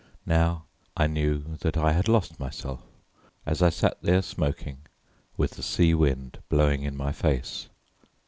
Now I knew that I had lost myself, as I sat there smoking, with the sea wind blowing in my face.